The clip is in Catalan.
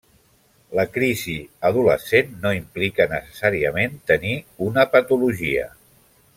La crisi adolescent no implica necessàriament tenir una patologia.